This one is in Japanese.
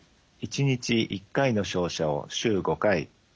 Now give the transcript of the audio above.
１日１回の照射を週５回。